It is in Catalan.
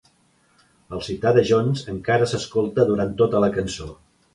El sitar de Jones encara s'escolta durant tota la cançó.